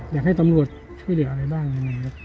อยากให้ตำรวจช่วยเหลืออะไรบ้าง